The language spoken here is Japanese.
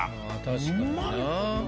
確かにな。